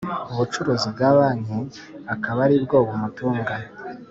ubucuruzi bya banki akaba ari bwo bumutunga